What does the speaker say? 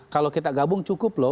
kalau kita gabung cukup loh